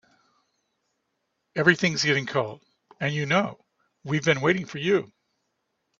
Everything's getting cold and you know we've been waiting for you.